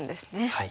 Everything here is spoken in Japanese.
はい。